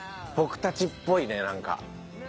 僕たちっぽいねなんか。